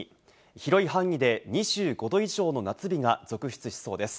広い範囲で２５度以上の夏日が続出しそうです。